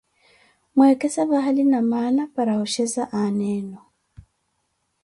Mweekese vahali namaana para oxheza aana enu.